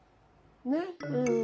ねっ。